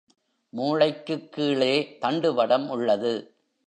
மூளைக்குக் கீழே தண்டுவடம் உள்ளது.